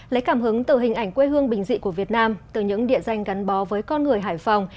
lấy cảm hứng từ hình ảnh quê hương bình dị của việt nam từ những địa danh gắn bó với con người hải phòng